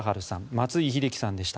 松井秀喜さんでした。